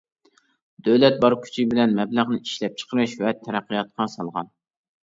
دۆلەت بار كۈچى بىلەن مەبلەغنى ئىشلەپچىقىرىش ۋە تەرەققىياتقا سالغان.